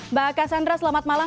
mbak kasandra selamat malam